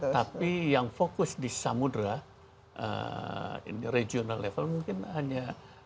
tapi yang fokus di samudera regional level mungkin hanya